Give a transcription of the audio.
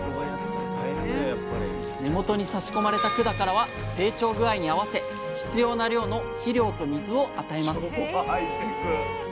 根元にさし込まれた管からは成長具合に合わせ必要な量の肥料と水を与えます。